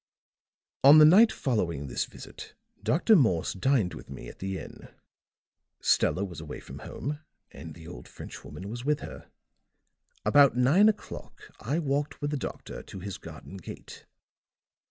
"On the night following this visit, Dr. Morse dined with me at the inn; Stella was away from home and the old French woman was with her. About nine o'clock I walked with the doctor to his garden gate.